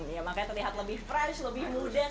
ya makanya terlihat lebih fresh lebih muda sekarang